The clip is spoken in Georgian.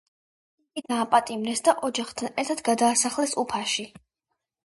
იგი დაპატიმრეს და ოჯახთან ერთად გადაასახლეს უფაში.